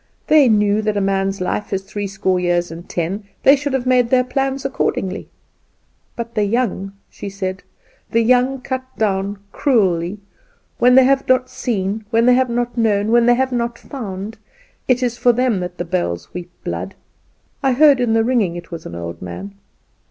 They knew that a man's life is three score years and ten; they should have made their plans accordingly! "But the young," she said, "the young, cut down, cruelly, when they have not seen, when they have not known when they have not found it is for them that the bells weep blood. I heard in the ringing it was an old man.